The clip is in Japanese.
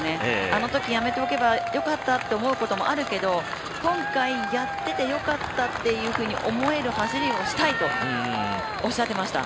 あのときやめておけばよかったと思うこともあるけれど今回、やっててよかったっていうふうに思える走りをしたいとおっしゃってました！